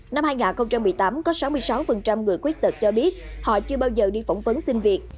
năm hai nghìn một mươi tám có sáu mươi sáu người khuyết tật cho biết họ chưa bao giờ đi phỏng vấn xin việc